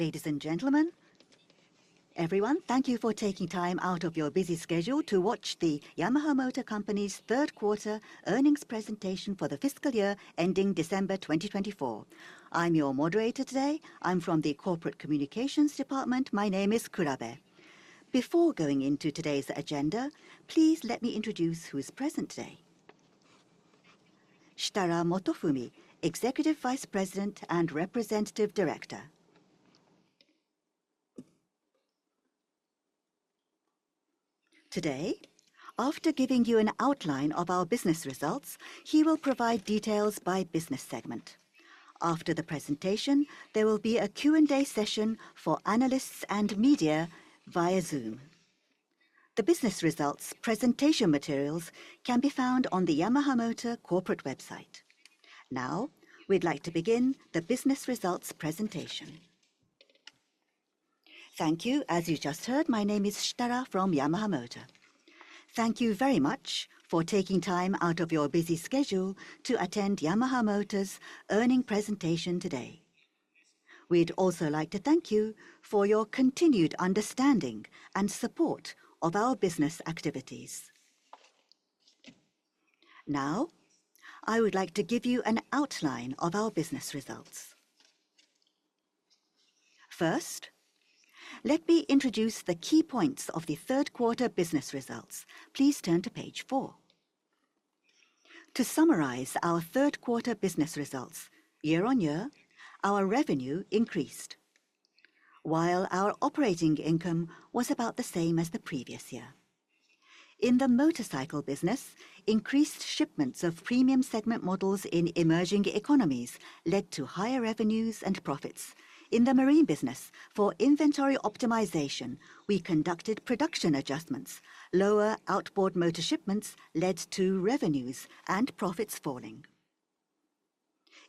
Ladies and gentlemen, everyone, thank you for taking time out of your busy schedule to watch the Yamaha Motor Company's third-quarter earnings presentation for the fiscal year ending December 2024. I'm your moderator today. I'm from the Corporate Communications Department. My name is Kurabe. Before going into today's agenda, please let me introduce who is present today. Shitara Motofumi, Executive Vice President and Representative Director. Today, after giving you an outline of our business results, he will provide details by business segment. After the presentation, there will be a Q&A session for analysts and media via Zoom. The business results presentation materials can be found on the Yamaha Motor corporate website. Now, we'd like to begin the business results presentation. Thank you. As you just heard, my name is Shitara from Yamaha Motor. Thank you very much for taking time out of your busy schedule to attend Yamaha Motor's earnings presentation today. We'd also like to thank you for your continued understanding and support of our business activities. Now, I would like to give you an outline of our business results. First, let me introduce the key points of the third-quarter business results. Please turn to page four. To summarize our third-quarter business results, year on year, our revenue increased, while our operating income was about the same as the previous year. In the motorcycle business, increased shipments of premium segment models in emerging economies led to higher revenues and profits. In the marine business, for inventory optimization, we conducted production adjustments. Lower outboard motor shipments led to revenues and profits falling.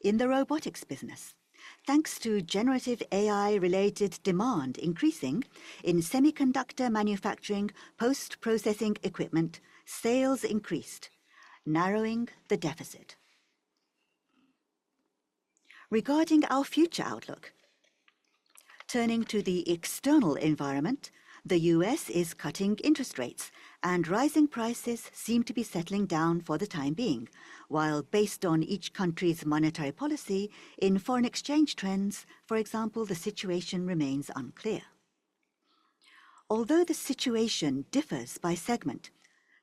In the robotics business, thanks to generative AI-related demand increasing in semiconductor manufacturing post-processing equipment, sales increased, narrowing the deficit. Regarding our future outlook, turning to the external environment, the U.S. is cutting interest rates, and rising prices seem to be settling down for the time being, while based on each country's monetary policy, in foreign exchange trends, for example, the situation remains unclear. Although the situation differs by segment,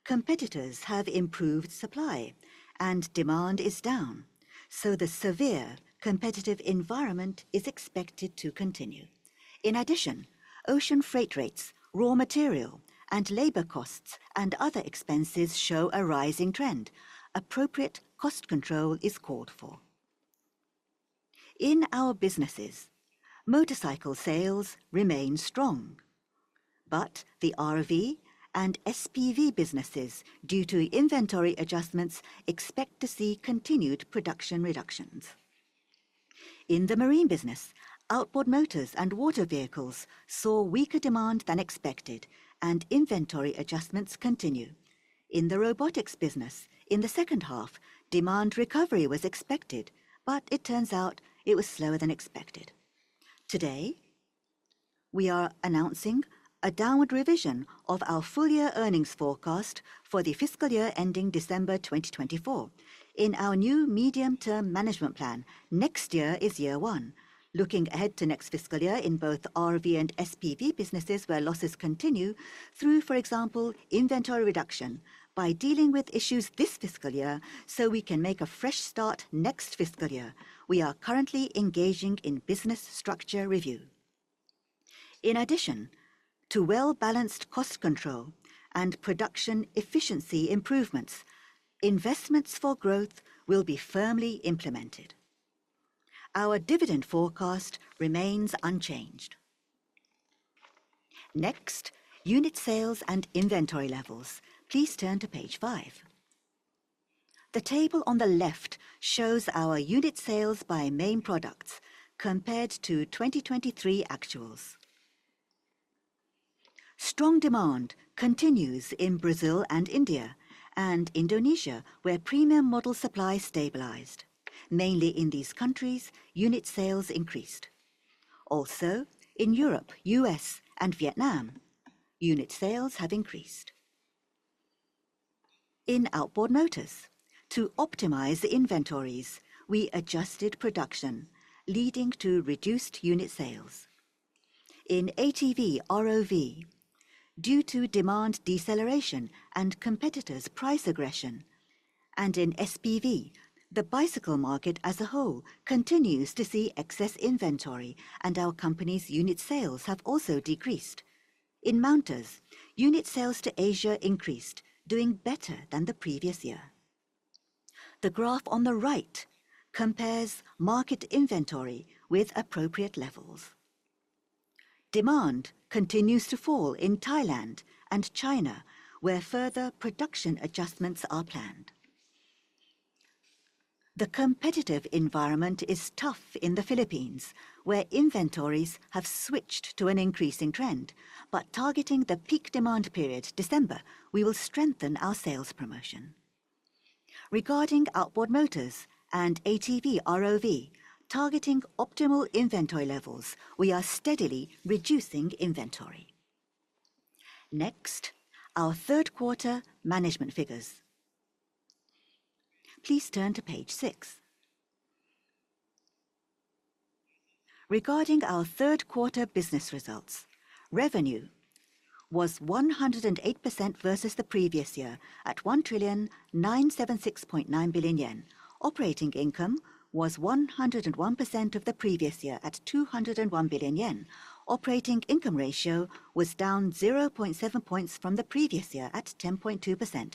competitors have improved supply, and demand is down, so the severe competitive environment is expected to continue. In addition, ocean freight rates, raw material, and labor costs and other expenses show a rising trend. Appropriate cost control is called for. In our businesses, motorcycle sales remain strong, but the RV and SPV businesses, due to inventory adjustments, expect to see continued production reductions. In the marine business, outboard motors and water vehicles saw weaker demand than expected, and inventory adjustments continue. In the robotics business, in the second half, demand recovery was expected, but it turns out it was slower than expected. Today, we are announcing a downward revision of our full-year earnings forecast for the fiscal year ending December 2024. In our new medium-term management plan, next year is year one. Looking ahead to next fiscal year in both RV and SPV businesses where losses continue through, for example, inventory reduction, by dealing with issues this fiscal year so we can make a fresh start next fiscal year, we are currently engaging in business structure review. In addition to well-balanced cost control and production efficiency improvements, investments for growth will be firmly implemented. Our dividend forecast remains unchanged. Next, unit sales and inventory levels. Please turn to page five. The table on the left shows our unit sales by main products compared to 2023 actuals. Strong demand continues in Brazil and India and Indonesia, where premium model supply stabilized. Mainly in these countries, unit sales increased. Also, in Europe, US, and Vietnam, unit sales have increased. In outboard motors, to optimize inventories, we adjusted production, leading to reduced unit sales. In ATV ROV, due to demand deceleration and competitors' price aggression, and in SPV, the bicycle market as a whole continues to see excess inventory, and our company's unit sales have also decreased. In motors, unit sales to Asia increased, doing better than the previous year. The graph on the right compares market inventory with appropriate levels. Demand continues to fall in Thailand and China, where further production adjustments are planned. The competitive environment is tough in the Philippines, where inventories have switched to an increasing trend, but targeting the peak demand period, December, we will strengthen our sales promotion. Regarding outboard motors and ATV, ROV, targeting optimal inventory levels, we are steadily reducing inventory. Next, our third-quarter management figures. Please turn to page six. Regarding our third-quarter business results, revenue was 108% versus the previous year at 1 trillion 976.9 billion. Operating income was 101% of the previous year at 201 billion yen. Operating income ratio was down 0.7 points from the previous year at 10.2%.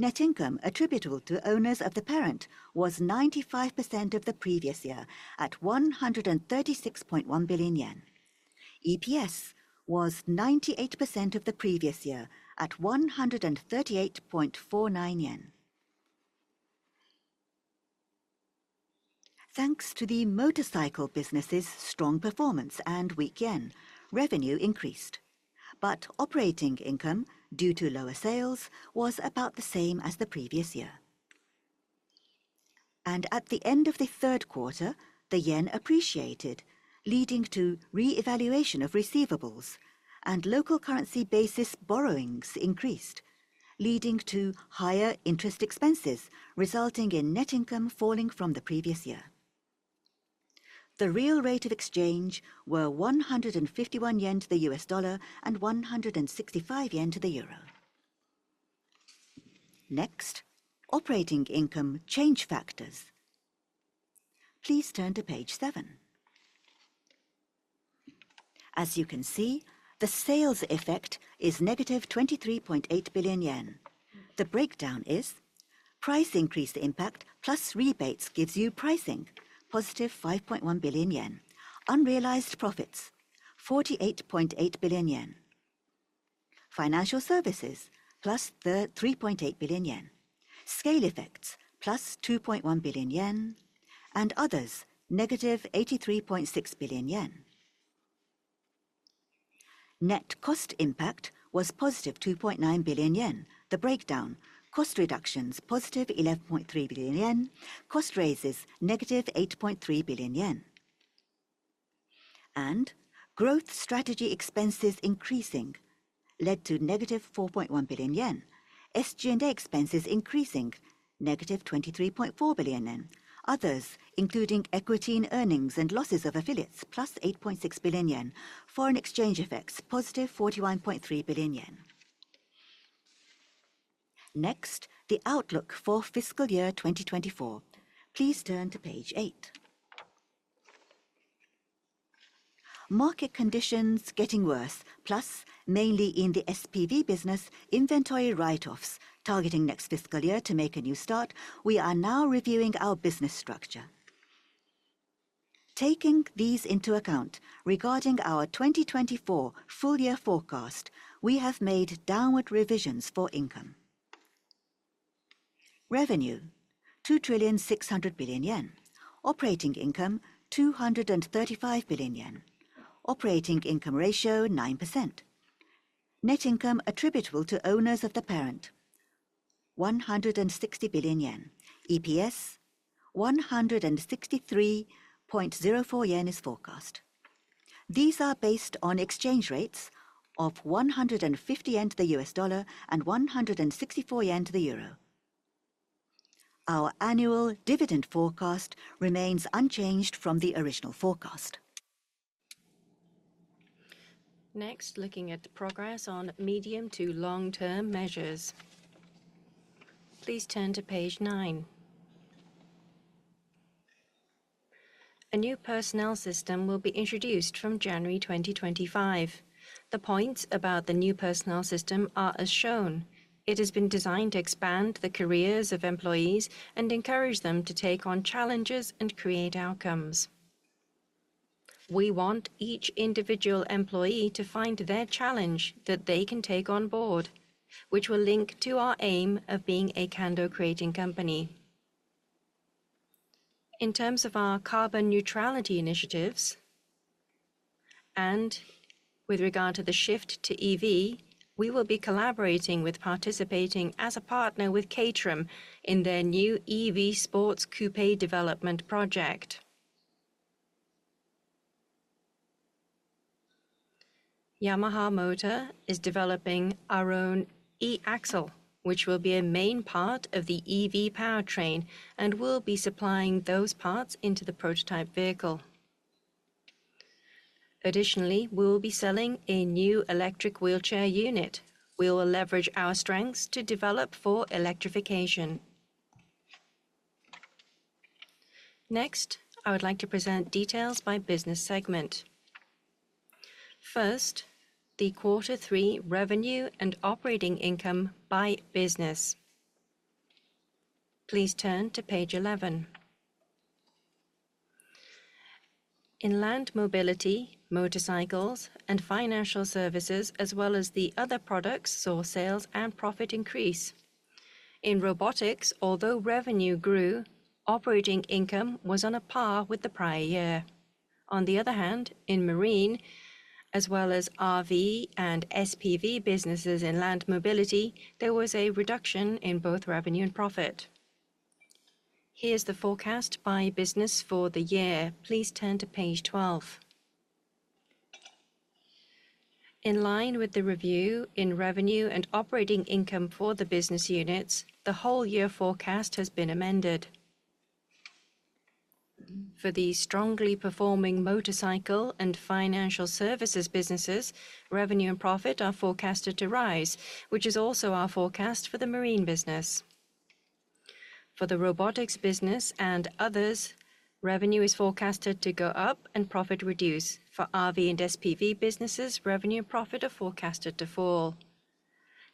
Net income attributable to owners of the parent was 95% of the previous year at 136.1 billion yen. EPS was 98% of the previous year at 138.49. Thanks to the motorcycle business's strong performance and weak yen, revenue increased, but operating income, due to lower sales, was about the same as the previous year. And at the end of the third quarter, the yen appreciated, leading to reevaluation of receivables, and local currency basis borrowings increased, leading to higher interest expenses, resulting in net income falling from the previous year. The real rate of exchange was 151 yen to the U.S. dollar and 165 yen to the euro. Next, operating income change factors. Please turn to page seven. As you can see, the sales effect is negative 23.8 billion yen. The breakdown is price increase impact plus rebates gives you pricing, positive 5.1 billion yen. Unrealized profits, 48.8 billion yen. Financial services, plus 3.8 billion yen. Scale effects, plus 2.1 billion yen, and others, negative 83.6 billion yen. Net cost impact was positive 2.9 billion yen. The breakdown, cost reductions, positive 11.3 billion yen, cost raises, negative 8.3 billion yen, and growth strategy expenses increasing, led to negative 4.1 billion yen. SG&A expenses increasing, -23.4 billion yen. Others, including equity in earnings and losses of affiliates, plus 8.6 billion yen. Foreign exchange effects, positive 41.3 billion yen. Next, the outlook for fiscal year 2024. Please turn to page eight. Market conditions getting worse, plus mainly in the SPV business, inventory write-offs targeting next fiscal year to make a new start. We are now reviewing our business structure. Taking these into account, regarding our 2024 full-year forecast, we have made downward revisions for income. Revenue, 2 trillion 600 billion. Operating income, 235 billion yen. Operating income ratio, 9%. Net income attributable to owners of the parent, 160 billion yen. EPS, 163.04 yen is forecast. These are based on exchange rates of 150 yen to the US dollar and 164 yen to the euro. Our annual dividend forecast remains unchanged from the original forecast. Next, looking at the progress on medium to long-term measures. Please turn to page nine. A new personnel system will be introduced from January 2025. The points about the new personnel system are as shown. It has been designed to expand the careers of employees and encourage them to take on challenges and create outcomes. We want each individual employee to find their challenge that they can take on board, which will link to our aim of being a Kando-creating company. In terms of our carbon neutrality initiatives and with regard to the shift to EV, we will be collaborating, participating as a partner with Caterham in their new EV sports coupé development project. Yamaha Motor is developing our own e-Axle, which will be a main part of the EV powertrain and will be supplying those parts into the prototype vehicle. Additionally, we will be selling a new electric wheelchair unit. We will leverage our strengths to develop for electrification. Next, I would like to present details by business segment. First, the quarter three revenue and operating income by business. Please turn to page 11. In land mobility, motorcycles and financial services, as well as the other products, saw sales and profit increase. In robotics, although revenue grew, operating income was on a par with the prior year. On the other hand, in marine, as well as RV and SPV businesses in land mobility, there was a reduction in both revenue and profit. Here's the forecast by business for the year. Please turn to page 12. In line with the review in revenue and operating income for the business units, the whole year forecast has been amended. For the strongly performing motorcycle and financial services businesses, revenue and profit are forecasted to rise, which is also our forecast for the marine business. For the robotics business and others, revenue is forecasted to go up and profit reduce. For RV and SPV businesses, revenue and profit are forecasted to fall.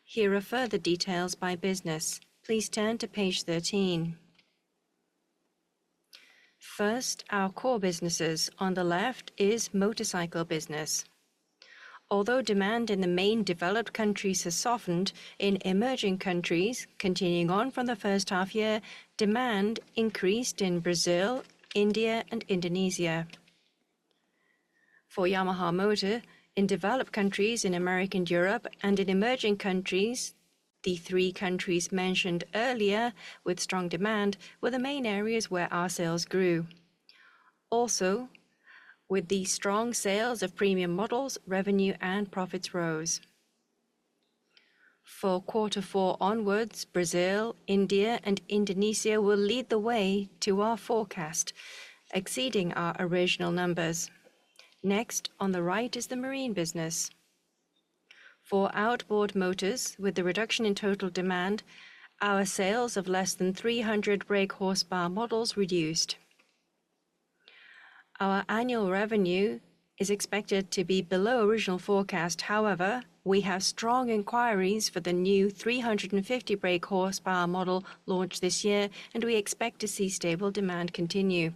Here are further details by business. Please turn to page 13. First, our core businesses. On the left is motorcycle business. Although demand in the main developed countries has softened, in emerging countries, continuing on from the first half year, demand increased in Brazil, India, and Indonesia. For Yamaha Motor, in developed countries in America and Europe and in emerging countries, the three countries mentioned earlier with strong demand were the main areas where our sales grew. Also, with the strong sales of premium models, revenue and profits rose. For quarter four onwards, Brazil, India, and Indonesia will lead the way to our forecast, exceeding our original numbers. Next, on the right is the marine business. For outboard motors, with the reduction in total demand, our sales of less than 300 brake horsepower models reduced. Our annual revenue is expected to be below original forecast. However, we have strong inquiries for the new 350 brake horsepower model launched this year, and we expect to see stable demand continue.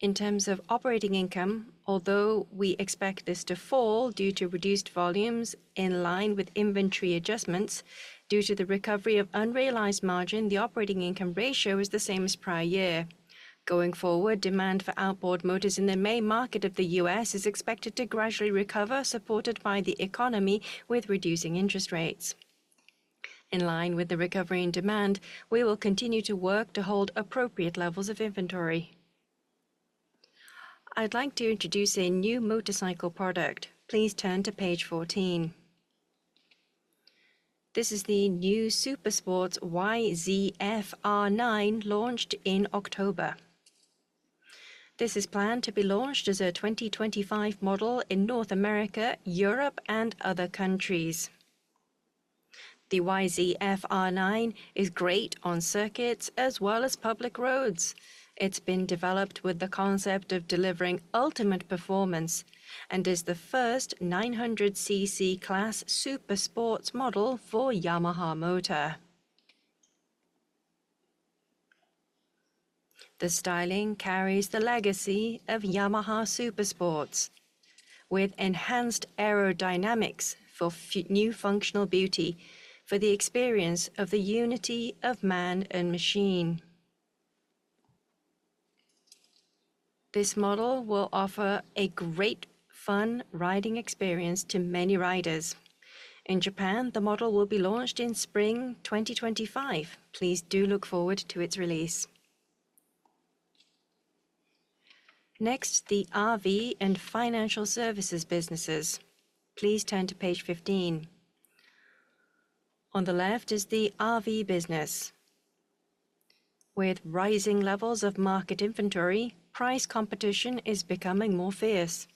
In terms of operating income, although we expect this to fall due to reduced volumes in line with inventory adjustments, due to the recovery of unrealized margin, the operating income ratio is the same as prior year. Going forward, demand for outboard motors in the main market of the US is expected to gradually recover, supported by the economy with reducing interest rates. In line with the recovery in demand, we will continue to work to hold appropriate levels of inventory. I'd like to introduce a new motorcycle product. Please turn to page 14. This is the new Supersports YZF-R9 launched in October. This is planned to be launched as a 2025 model in North America, Europe, and other countries. The YZF-R9 is great on circuits as well as public roads. It's been developed with the concept of delivering ultimate performance and is the first 900cc class Supersports model for Yamaha Motor. The styling carries the legacy of Yamaha Supersports, with enhanced aerodynamics for new functional beauty for the experience of the unity of man and machine. This model will offer a great, fun riding experience to many riders. In Japan, the model will be launched in spring 2025. Please do look forward to its release. Next, the RV and financial services businesses. Please turn to page 15. On the left is the RV business. With rising levels of market inventory, price competition is becoming more fierce.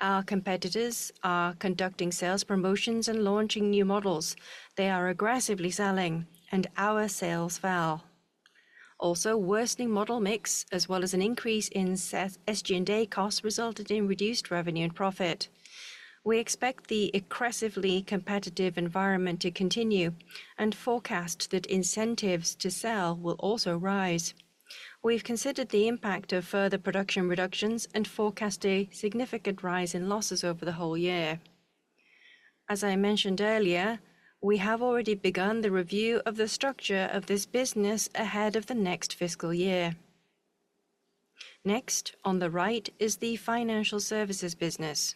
Our competitors are conducting sales promotions and launching new models. They are aggressively selling, and our sales fell. Also, worsening model mix, as well as an increase in SG&A costs, resulted in reduced revenue and profit. We expect the aggressively competitive environment to continue and forecast that incentives to sell will also rise. We've considered the impact of further production reductions and forecast a significant rise in losses over the whole year. As I mentioned earlier, we have already begun the review of the structure of this business ahead of the next fiscal year. Next, on the right is the financial services business.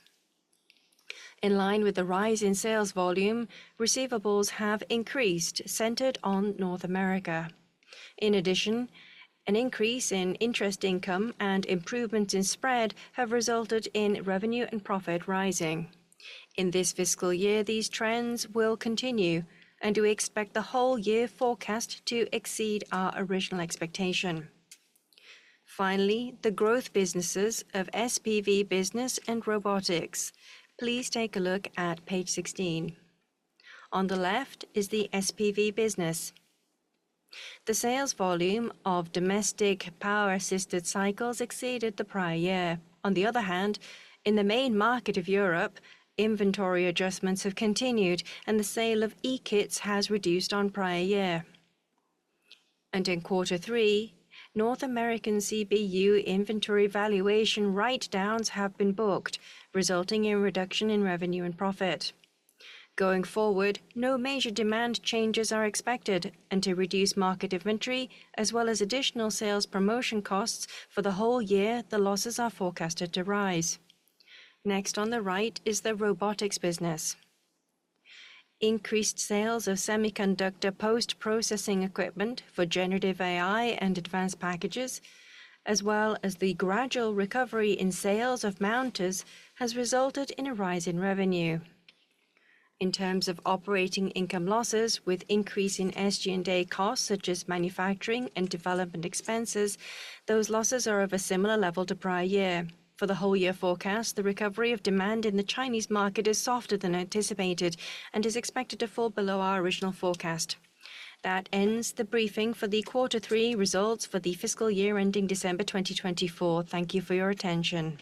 In line with the rise in sales volume, receivables have increased, centered on North America. In addition, an increase in interest income and improvements in spread have resulted in revenue and profit rising. In this fiscal year, these trends will continue, and we expect the whole year forecast to exceed our original expectation. Finally, the growth businesses of SPV business and robotics. Please take a look at page 16. On the left is the SPV business. The sales volume of domestic power-assisted cycles exceeded the prior year. On the other hand, in the main market of Europe, inventory adjustments have continued, and the sale of e-kits has reduced on prior year, and in quarter three, North American CBU inventory valuation write-downs have been booked, resulting in a reduction in revenue and profit. Going forward, no major demand changes are expected, and to reduce market inventory, as well as additional sales promotion costs for the whole year, the losses are forecasted to rise. Next on the right is the robotics business. Increased sales of semiconductor post-processing equipment for generative AI and advanced packages, as well as the gradual recovery in sales of mounters, has resulted in a rise in revenue. In terms of operating income losses, with increasing SG&A costs such as manufacturing and development expenses, those losses are of a similar level to prior year. For the whole year forecast, the recovery of demand in the Chinese market is softer than anticipated and is expected to fall below our original forecast. That ends the briefing for the quarter three results for the fiscal year ending December 2024. Thank you for your attention.